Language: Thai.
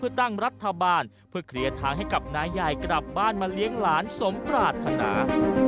ตั้งรัฐบาลเพื่อเคลียร์ทางให้กับนายใหญ่กลับบ้านมาเลี้ยงหลานสมปรารถนา